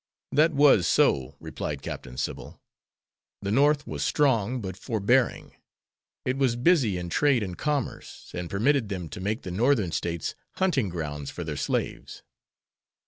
"That was so," replied Captain Sybil. "The North was strong but forbearing. It was busy in trade and commerce, and permitted them to make the Northern States hunting grounds for their slaves.